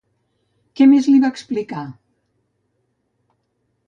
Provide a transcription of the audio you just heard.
Què més li va explicar?